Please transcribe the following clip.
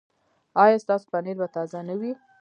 ایا ستاسو پنیر به تازه نه وي؟